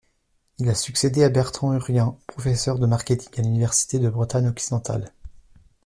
Il a succédé à Bertrand Urien professeur de marketing à l'Université de Bretagne Occidentale.